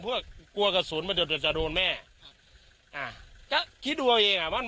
เพื่อกลัวกระสุนมันเดี๋ยวเดี๋ยวจะโดนแม่อ่าก็คิดดูเอาเองอ่ะ